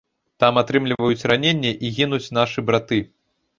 Там атрымліваюць раненні і гінуць нашы браты.